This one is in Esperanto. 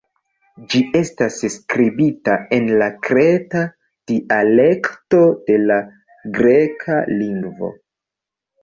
Ĝi estas skribita en la Kreta dialekto de la Greka lingvo.